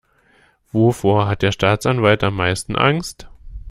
Wovor hat der Staatsanwalt am meisten Angst?